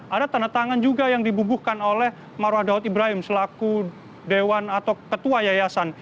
ada tanda tangan juga yang dibubuhkan oleh marwah daud ibrahim selaku dewan atau ketua yayasan